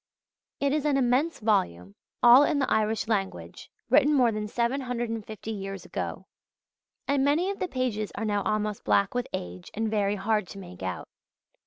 It is an immense volume, all in the Irish language, written more than 750 years ago; and many of the pages are now almost black with age and very hard to make out.